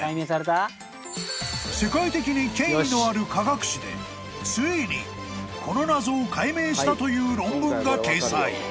［世界的に権威のある科学誌でついにこの謎を解明したという論文が掲載］